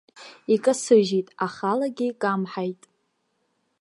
Икасыжьит, ахалагьы икамҳаит.